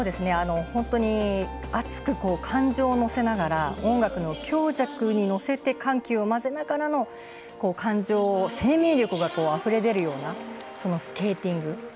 本当に熱く感情を乗せながら音楽の強弱に乗せて緩急を混ぜながらの感情を生命力があふれ出るようなスケーティング。